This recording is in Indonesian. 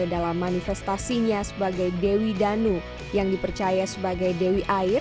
dalam manifestasinya sebagai dewi danu yang dipercaya sebagai dewi air atau dewi tanu